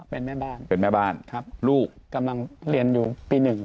เป็นแม่บ้านเป็นแม่บ้านลูกกำลังเรียนอยู่ปี๑